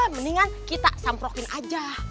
mendingan kita samprokin aja